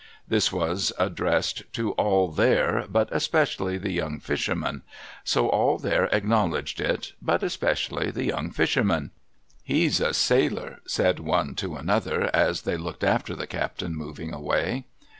This was addressed to all there, but especially the young fisher man ; so all there acknowledged it, but especially the young fisher man. ' He's a sailor !' said one to another, as they looked after the captain moving away.